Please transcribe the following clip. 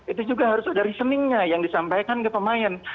itu juga harus ada reasoningnya yang disampaikan ke pemain